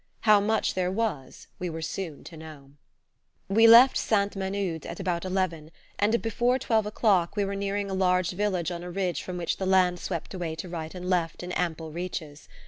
How much there was we were soon to know. We left Sainte Menehould at about eleven, and before twelve o'clock we were nearing a large village on a ridge from which the land swept away to right and left in ample reaches.